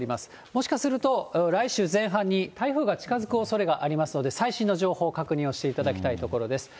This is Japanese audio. もしかすると、来週前半に台風が近づくおそれがありますので、最新の情報を確認していただきたいところです。